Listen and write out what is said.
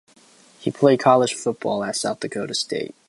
He played college football at South Dakota State.